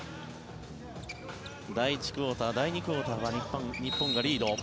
第１クオーター第２クオーターは日本がリード。